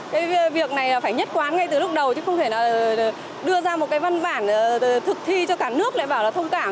cái việc này là phải nhất quán ngay từ lúc đầu chứ không thể là đưa ra một cái văn bản thực thi cho cả nước lại bảo là thông cảm